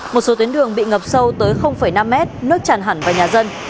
một số tuyến đường bị ngập sâu tới năm m nước chàn hẳn vào nhà dân